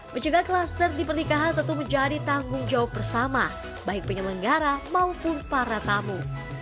mencegah kluster di pernikahan tentu menjadi tanggung jawab bersama baik penyelenggara maupun para tamu